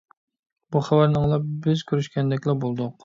بۇ خەۋەرنى ئاڭلاپ، بىز كۆرۈشكەندەكلا بولدۇق.